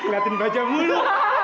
liatin baja mulu